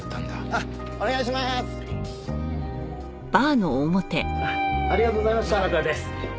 ありがとうございます。